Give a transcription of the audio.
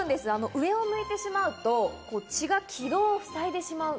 上を向いてしまうと血が気道を塞いでしまう。